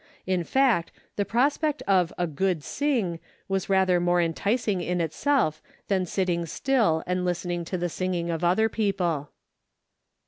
In fact, the prospect of a " good sing " was rather more enticing in itself than sitting still and listen ing to the singing of other people.